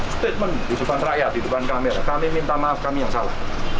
statement di depan rakyat di depan kamera kami minta maaf kami yang salah